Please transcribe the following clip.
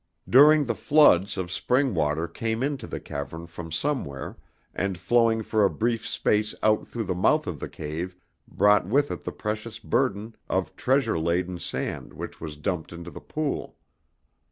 During the floods of spring water came into the cavern from somewhere, and flowing for a brief space out through the mouth of the cave brought with it the precious burden of treasure laden sand which was dumped into the pool.